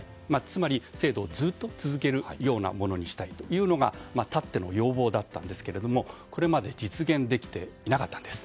つまり制度をずっと続けるようなものにしたいというのがたっての要望だったんですがこれまで実現できていなかったんです。